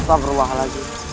sudah berubah lagi